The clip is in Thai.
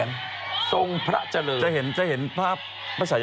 โอ้โหแต่ก็จะเป็นเสียง